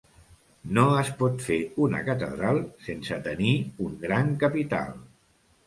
No es pot fer una catedral sense tenir un gran capital.